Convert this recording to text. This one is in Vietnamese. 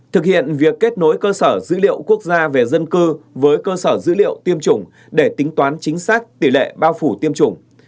thực hiện việc kết nối cơ sở dữ liệu quốc gia về dân cư với cơ sở dữ liệu tiêm chủng để tính toán chính xác tỷ lệ bao phủ tiêm chủng